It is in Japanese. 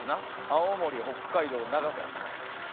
青森北海道長崎。